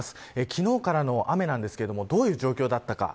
昨日からの雨ですがどういう状況だったか。